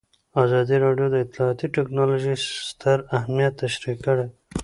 ازادي راډیو د اطلاعاتی تکنالوژي ستر اهميت تشریح کړی.